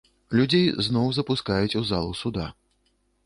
Людзей зноў запускаюць у залу суда.